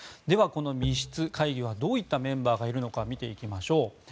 では、この密室会議はどういったメンバーがいるのか見ていきましょう。